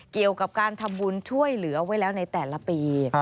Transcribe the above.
เกี่ยวกับการทำบุญช่วยเหลือไว้แล้วในแต่ละปี